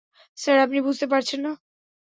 Sir, আপনি বুঝতে পারছেন না।